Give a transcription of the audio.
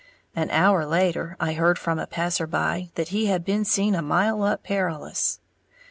An hour later, I heard from a passer by that he had been seen a mile up Perilous.